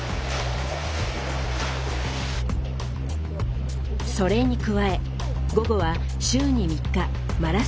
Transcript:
それに加え午後は週に３日マラソンの特訓です。